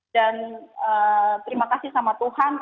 dan terima kasih sama tuhan